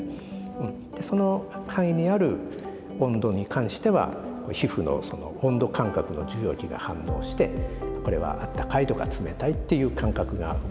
その範囲にある温度に関しては皮膚の温度感覚の受容器が反応してこれはあったかいとか冷たいっていう感覚が生まれるんですね。